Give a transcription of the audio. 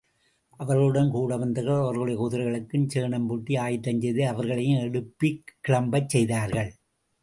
அவர்களுடன் கூட வந்தவர்கள் அவர்களுடைய குதிரைகளுக்கும், சேணம் பூட்டி ஆயத்தம் செய்து, அவர்களையும் எழுப்பிக் கிளம்பச் செய்தார்கள்.